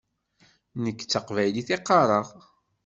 Nekk d taqbaylit i qqaṛeɣ.